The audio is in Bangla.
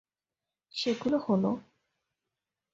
সেগুলো হলঃ